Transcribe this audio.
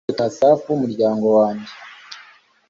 ni igisigo cya asafu muryango wanjye